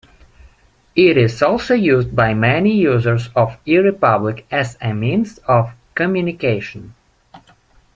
It is also used by many users of eRepublik as a means of communication.